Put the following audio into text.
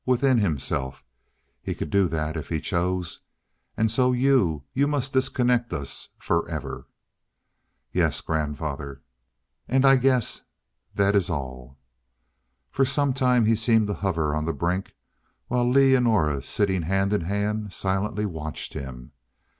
Within himself: He could do that, if he chose. And so you you must disconnect us forever " "Yes, grandfather " "And I guess that is all " For some time he seemed to hover on the brink, while Lee and Aura, sitting hand in hand, silently watched him.